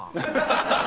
ハハハハ！